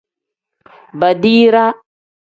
Baadiraa.